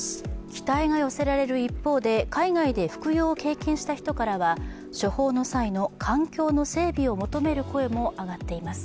期待が寄せられる一方で海外で服用を経験した人からは処方の際の環境の整備を求める声も上がっています。